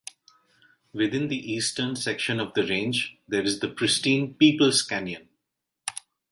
Within the eastern section of the range there is the pristine Peoples Canyon.